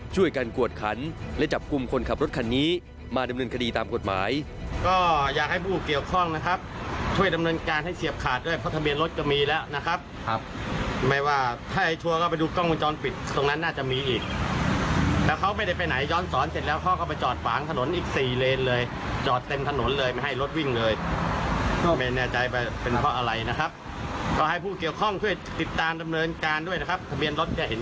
ช่วยการกวดขันและจับกุมคนขับรถคันนี้มาดำเนินคดีตามกฎหมาย